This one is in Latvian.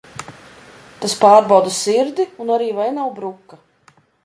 Tas pārbauda sirdi un arī vai nav bruka.